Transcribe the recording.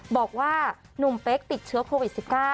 บอกว่าหนุ่มเป๊กติดเชื้อโควิด๑๙